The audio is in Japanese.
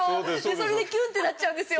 それでキュンてなっちゃうんですよ！